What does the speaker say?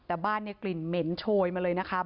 แต่บ้านเนี่ยกลิ่นเหม็นโชยมาเลยนะคะ